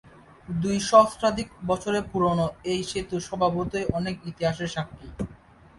দুই সহস্রাধিক বছরের পুরনো এই সেতু স্বভাবতই অনেক ইতিহাসের সাক্ষী।